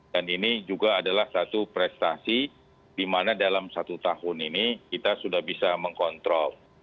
dan ini juga adalah satu prestasi di mana dalam satu tahun ini kita sudah bisa mengkontrol